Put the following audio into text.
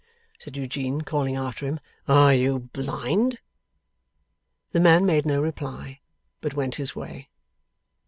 said Eugene, calling after him, 'are you blind?' The man made no reply, but went his way.